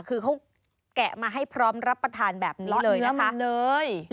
คือเขาแกะมาให้พร้อมรับประทานแบบนี้เลยนะคะ